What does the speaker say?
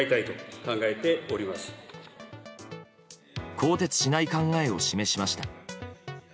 更迭しない考えを示しました。